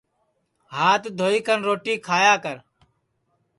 ہات دھوئی کن روٹی کھایا کر